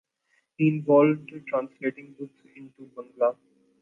He involved in translating books into Bangla.